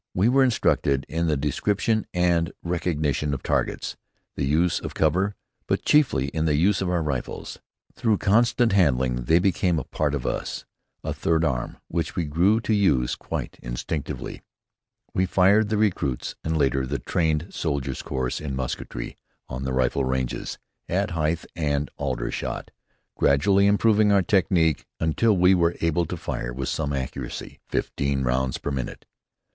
We were instructed in the description and recognition of targets, the use of cover, but chiefly in the use of our rifles. Through constant handling they became a part of us, a third arm which we grew to use quite instinctively. We fired the recruit's, and later, the trained soldier's course in musketry on the rifle ranges at Hythe and Aldershot, gradually improving our technique, until we were able to fire with some accuracy, fifteen rounds per minute.